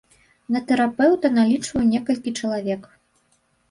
Да тэрапеўта налічваю некалькі чалавек.